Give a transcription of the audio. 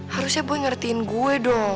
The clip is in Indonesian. harusnya gue ngertiin gue dong